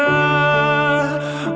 ku terpaku aku memintrah